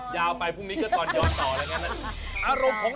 สวยจริง